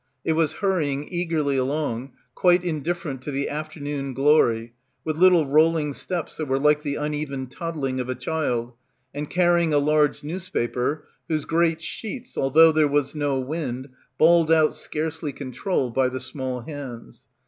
It was hurry ing eagerly along, quite indifferent to the after noon glory, with little rolling steps that were like the uneven toddling of a child, and carrying a large newspaper whose great sheets, although there was no wind, belled out scarcely controlled by die small hands.